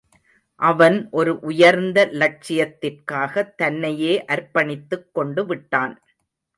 அவன் ஒரு உயர்ந்த லட்சியத்திற்காகத் தன்னையே அர்ப்பணித்துக் கொண்டுவிட்டான்.